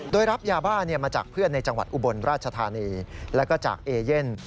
โดยรับยาบ้ามาจากเพื่อนในจังหวัดอุบลราชธานีแล้วก็จากเอเย่น